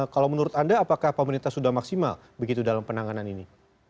kalau menurut anda apakah pemerintah sudah maksimal begitu dalam penanganan ini